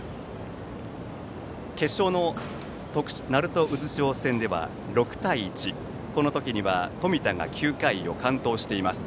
決勝の鳴門渦潮戦では６対１この時には冨田が９回を完投しています。